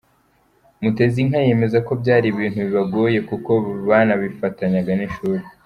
Mutezinka yemeza ko byari ibintu bibagoye kuko banabifatanyaga n’ishuri.